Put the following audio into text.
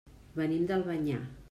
Venim d'Albanyà.